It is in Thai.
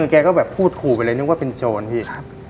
แกก็แบบพูดขู่ไปเลยนึกว่าเป็นโจรพี่